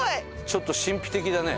ちょっと神秘的だね。